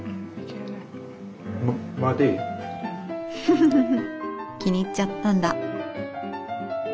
フフフ気に入っちゃったんだ。